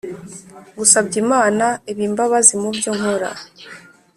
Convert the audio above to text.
Ngusabye Imana ibmbabazi mubyo nkora